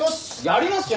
やります！